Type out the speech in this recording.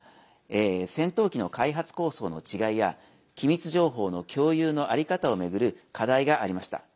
しかし、両国には戦闘機の開発構想の違いや機密情報の共有の在り方を巡る課題がありました。